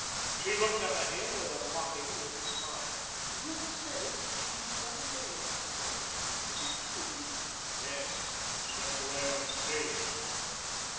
She looked up at him with a mocking little smile. "Rumor says that she has run away, my lord. Is it true?" "Yes. Slipped away on the stage this morning."